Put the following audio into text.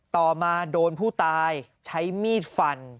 ต่อมาโดนผู้ตายใช้มีดฟัน